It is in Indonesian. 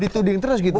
tuding terus gitu